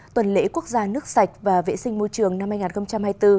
tuần lễ quốc gia nước sạch và vệ sinh môi trường năm hai nghìn hai mươi bốn